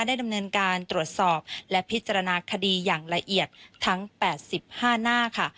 ดำเนินการตรวจสอบและพิจารณาคดีอย่างละเอียดทั้ง๘๕หน้าค่ะ